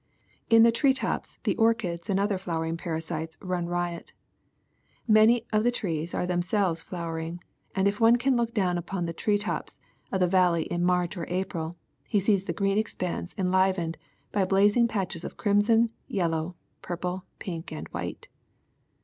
In the tree tops the orchids and other flowering parasites run riot. Many of the trees are themselves flowering, and if one can look down upon the tree tops of a valley in March or April, he sees the green expanse enlivened by blazing patches of crimson, yellow, purple, pink, and white.